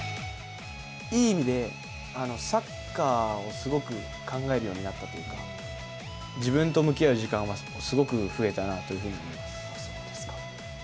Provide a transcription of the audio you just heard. いい意味で、サッカーをすごく考えるようになったというか、自分と向き合う時間がすごく増えたなというふうに思います。